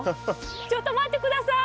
ちょっと待って下さい！